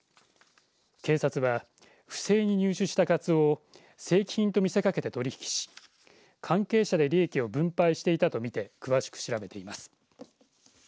警察は不正に入手したカツオを正規品と見せかけて取り引きし関係者で利益を分配していたとみて詳しく調べています。